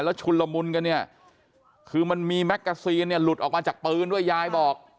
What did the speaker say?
แล้วชุนละมุนกันเนี่ยคือมันมีแมกกาซีนเนี่ยหลุดออกมาจากปืนด้วยยายบอก